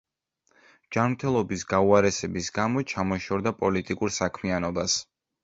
ჯანმრთელობის გაუარესების გამო ჩამოშორდა პოლიტიკურ საქმიანობას.